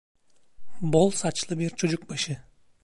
Bol saçlı bir çocuk başı.